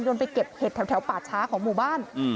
ไปเก็บเห็ดแถวป่าช้าของหมู่บ้าน